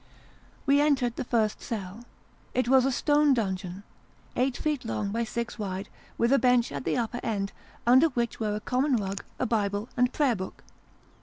We entered the first cell. It was a stone dungeon, eight feet long by six wide, with a bench at the upper end, under which were a common rug, a bible, and prayer book.